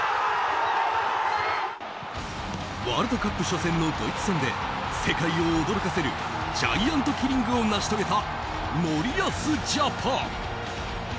ワールドカップ初戦のドイツ戦で、世界を驚かせるジャイアントキリングを成し遂げた森保ジャパン。